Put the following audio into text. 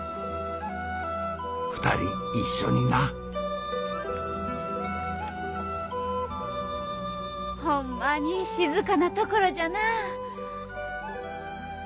２人一緒になほんまに静かな所じゃなあ。